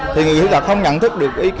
thì người khuyết tật không nhận thức được